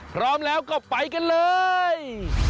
พร้อมแล้วก็ไปกันเลย